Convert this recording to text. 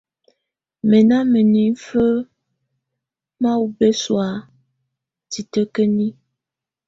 Mɛ̀ na mǝnifǝ ma ɔbɛsɔ̀á titǝ́kǝni.